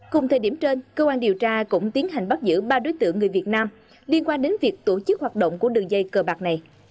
cùng thời điểm trên cơ quan điều tra cũng tiến hành bắt giữ ba đối tượng người việt nam liên quan đến việc tổ chức hoạt động của đường dây cờ bạc này